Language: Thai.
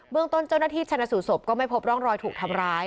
เมืองต้นเจ้าหน้าที่ชนะสูตศพก็ไม่พบร่องรอยถูกทำร้าย